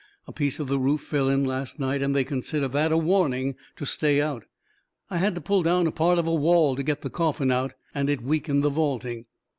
A piece of the roof fell in last night, and they consider that a warning to stay out. I had to pull down part of a wall to get the coffin out, and it weakened the vaulting."